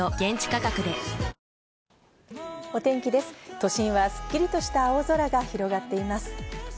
都心はすっきりとした青空が広がっています。